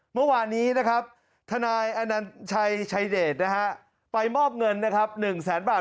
เมื่อวานี้ทนายอนัญชัยชัยเดชไปมอบเงิน๑แสนบาท